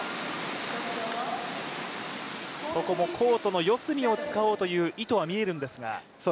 ここもコートの四隅を使おうという意図は見えるんですが。